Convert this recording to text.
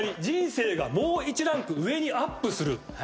人生がもう１ランク上にアップする。